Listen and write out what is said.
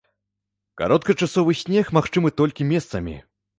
Кароткачасовы снег магчымы толькі месцамі.